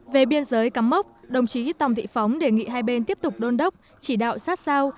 về biên giới cắm mốc đồng chí tòng thị phóng đề nghị hai bên tiếp tục đôn đốc chỉ đạo sát sao